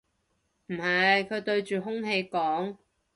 唔係，佢對住空氣講